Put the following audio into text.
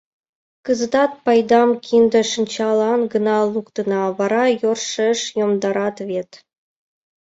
— Кызытат пайдам кинде-шинчаллан гына луктына, вара йӧршеш йомдарат вет...